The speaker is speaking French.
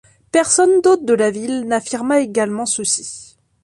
Personne d'autre de la ville n'affirma également ceci.